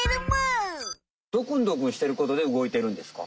ドクンドクンしてることで動いてるんですか？